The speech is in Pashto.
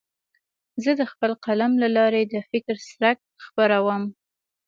زه د خپل قلم له لارې د فکر څرک خپروم.